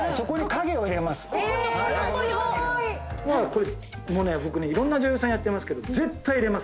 「これ僕いろんな女優さんやってますけど絶対入れます」